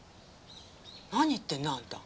何言ってんの？あんた。